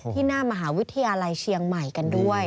หน้ามหาวิทยาลัยเชียงใหม่กันด้วย